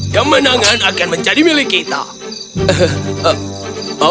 kemenangan akan menjadi milik kita